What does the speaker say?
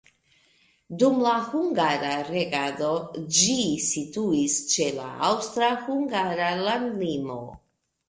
Dum la hungara regado ĝi situis ĉe la aŭstra-hungara landlimo.